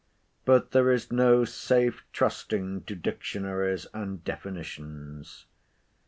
But there is no safe trusting to dictionaries and definitions.